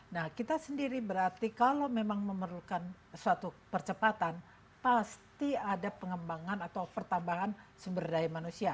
nah kita sendiri berarti kalau memang memerlukan suatu percepatan pasti ada pengembangan atau pertambahan sumber daya manusia